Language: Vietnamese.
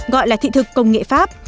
gọi là thị thực công nghệ pháp